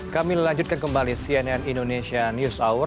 kami lanjutkan kembali cnn indonesia news hour